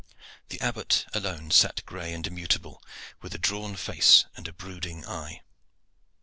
The Abbot alone sat gray and immutable, with a drawn face and a brooding eye.